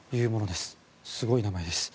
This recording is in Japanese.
すごい名前です。